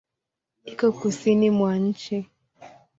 Iko Kusini mwa nchi.